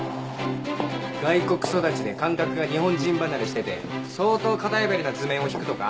外国育ちで感覚が日本人離れしてて相当型破りな図面を引くとか。